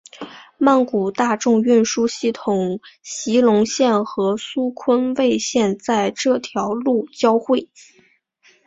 曼谷大众运输系统席隆线和苏坤蔚线在这条路交会。